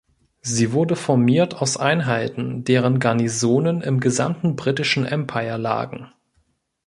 Sie wurde formiert aus Einheiten, deren Garnisonen im gesamten Britischen Empire lagen.